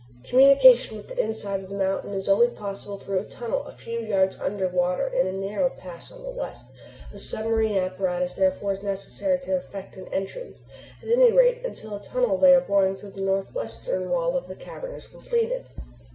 "Communication with the inside of the mountain is only possible through a tunnel a few yards under water in a narrow pass on the west. A submarine apparatus therefore is necessary to effect an entrance, at any rate until a tunnel they are boring through the northwestern wall of the cavern is completed.